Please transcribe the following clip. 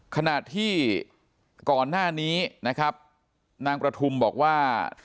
ขณะที่ก่อนหน้านี้นะครับนางประทุมบอกว่า